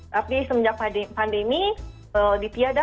tapi semenjak pandemi di tiada